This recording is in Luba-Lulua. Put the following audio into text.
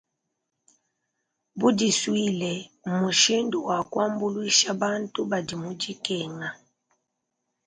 Budisuile mmushindu wa kuambuluisha bantu badi mu dikenga.